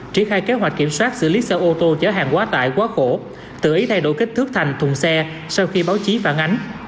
triển khai kế hoạch kiểm soát xử lý xe ô tô chở hàng quá tải quá khổ tự ý thay đổi kích thước thành thùng xe sau khi báo chí phản ánh